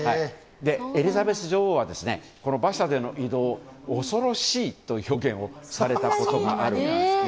エリザベス女王はこの馬車での移動を恐ろしいと表現されたことがあるんですね。